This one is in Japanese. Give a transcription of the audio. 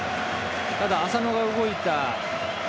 ただ、浅野が動いた。